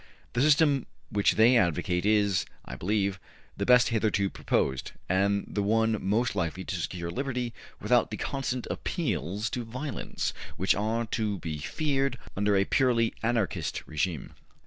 The system which they advocate is, I believe, the best hitherto proposed, and the one most likely to secure liberty without the constant appeals to violence which are to be feared under a purely Anarchist regime.